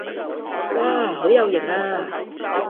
哇好有型啊